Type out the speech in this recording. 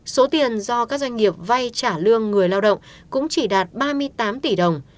số tiền do các doanh nghiệp vay trả lương người lao động cũng chỉ đạt ba mươi tám tỷ đồng